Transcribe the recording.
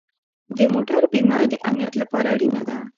د موټر بیمه د امنیت لپاره اړینه ده.